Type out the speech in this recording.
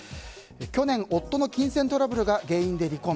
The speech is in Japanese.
去年、夫の金銭トラブルが原因で離婚。